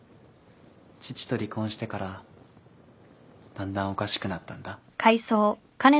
父と離婚してからだんだんおかしくなったんだ。